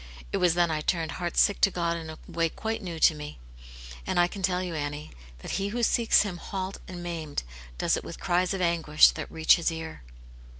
It was then I turned heart sick to God in a way quite new to me ; and I can tell you, Annie, that he who seeks Him halt and maimed does it with cries of anguish that reach His ear."